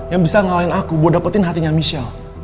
yang bisa ngalahin aku gue dapetin hatinya michelle